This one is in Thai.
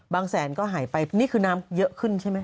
แสนก็หายไปนี่คือน้ำเยอะขึ้นใช่ไหม